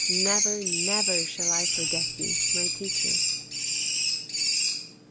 Never, never shall I forget you, my teacher!